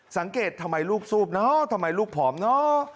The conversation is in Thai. สังเกตทำไมลูกซูบเนอะทำไมลูกผอมเนอะ